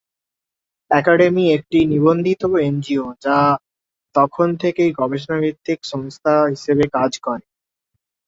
Academy একটি নিবন্ধিত NGO যা তখন থেকেই গবেষণা-ভিত্তিক সংস্থা হিসেবে কাজ করে।